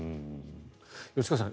吉川さん